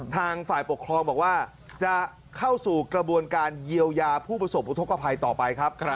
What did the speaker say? ทางฝ่ายปกครองบอกว่าจะเข้าสู่กระบวนการเยียวยาผู้ประสบอุทธกภัยต่อไปครับ